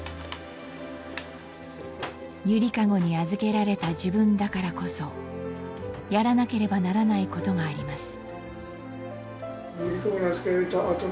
ゆりかごに預けられた自分だからこそやらなければならないことがあります。